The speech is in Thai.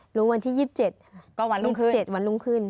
หรือวันที่๒๗วันรุ่งขึ้น